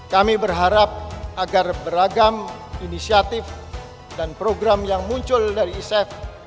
kami berharap agar beragam inisiatif dan program yang muncul dari isef